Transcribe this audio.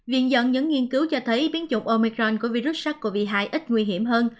viện dẫn những nghiên cứu cho thấy biến chủng omicron của virus sars cov hai ít nguy hiểm hơn